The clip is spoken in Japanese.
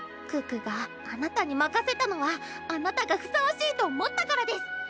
可可があなたに任せたのはあなたがふさわしいと思ったからデス！